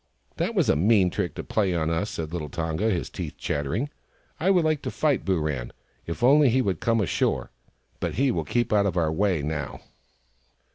" That was a mean trick to play on us," said little Tonga, his teeth chattering. " I would like to fight Booran, if only he would come ashore. But he will keep out of our way now."